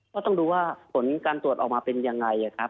ก็ต้องดูว่าผลการตรวจออกมาเป็นยังไงครับ